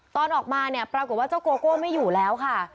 ตอนออกมาเนี่ยปรากฏว่าเจ้าโกโก้ไม่อยู่แล้วค่ะ